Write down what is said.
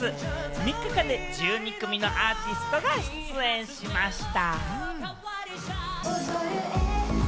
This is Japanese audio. ３日間で１２組のアーティストが出演しました。